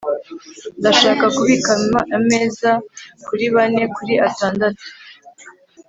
ndashaka kubika ameza kuri bane kuri atandatu